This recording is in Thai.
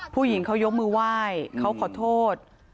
ผู้หญิงเขายกมือไหว้เขาขอโทษ